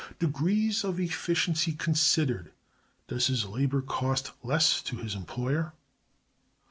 Degrees of efficiency considered, does his labor cost less to his employer?